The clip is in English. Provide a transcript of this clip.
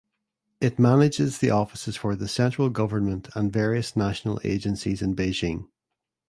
It manages the offices for the central government and various national agencies in Beijing.